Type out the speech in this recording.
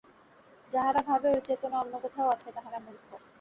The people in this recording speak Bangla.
যাহারা ভাবে ঐ চেতনা অন্য কোথাও আছে, তাহারা মূর্খ।